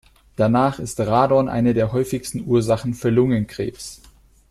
Danach ist Radon eine der häufigsten Ursachen für Lungenkrebs.